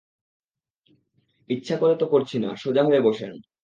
ইচ্ছা করে তো করছি না, সোজা হয়ে বসেন।